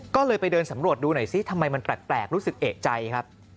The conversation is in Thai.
ก็เลยไปเดินสำรวจดูหน่อยซิทำไมมันแปลกรู้สึกเอกใจครับ